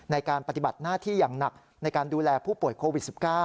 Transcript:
ในการปฏิบัติหน้าที่อย่างหนักในการดูแลผู้ป่วยโควิด๑๙